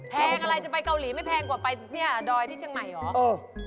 แงอะไรจะไปเกาหลีไม่แพงกว่าไปเนี่ยดอยที่เชียงใหม่เหรอ